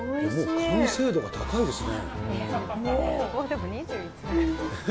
完成度が高いですね。